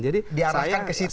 diarahkan ke situ gitu ya